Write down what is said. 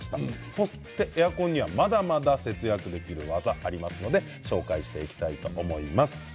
そして、エアコンにはまだまだ節約できる技がありますのでご紹介していきたいと思います。